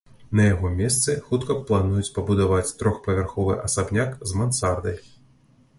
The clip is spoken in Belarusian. На яго месцы хутка плануюць пабудаваць трохпавярховы асабняк з мансардай.